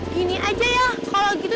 gini aja ya kalau gitu